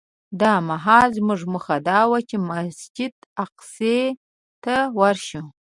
دا مهال زموږ موخه دا وه چې مسجد اقصی ته ورشو.